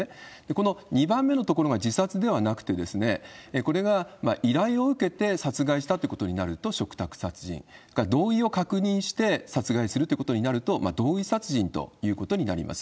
この２番目のところが、自殺ではなくて、これが依頼を受けて殺害したってことになると、嘱託殺人、それから同意を確認して殺害するということになると、同意殺人ということになります。